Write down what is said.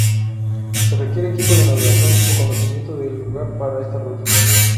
Se requiere equipo de navegación o conocimiento del lugar para esta ruta.